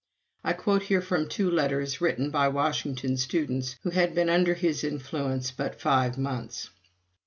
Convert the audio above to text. I quote here from two letters written by Washington students who had been under his influence but five months.